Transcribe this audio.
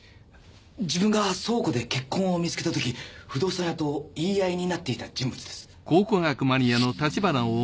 自分が倉庫で血痕を見つけたとき不動産屋と言い合いになっていた人物です。